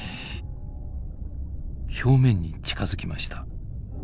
表面に近づきました。